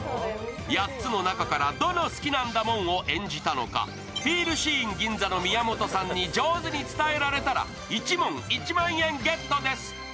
８つの中から、どの「好きなんだもん」を演じたのかＦＥＥＬＳＥＥＮ銀座の宮本さんに上手に伝えられたら１問１万円ゲットです。